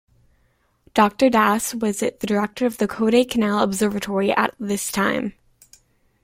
Doctor Das was the director of the Kodaikanal observatory at this time.